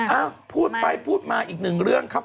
เอ้าพูดไปพูดมาอีกหนึ่งเรื่องครับ